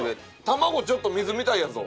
卵ちょっと水みたいやぞ。